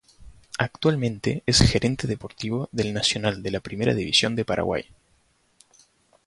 Actualmente es Gerente Deportivo del Nacional de la Primera División de Paraguay.